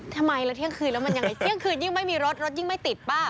ทำไมแล้วเที่ยงคืนแล้วมันยังไงเที่ยงคืนยิ่งไม่มีรถรถยิ่งไม่ติดป่ะ